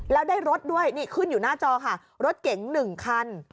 แล้วได้รถด้วยนี่ขึ้นอยู่หน้าจอค่ะรถเก๋ง๑คัน